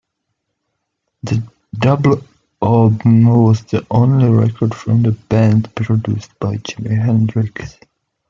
The double album was the only record from the band produced by Jimi Hendrix.